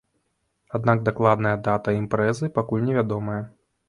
Аднак дакладная дата імпрэзы пакуль невядомая.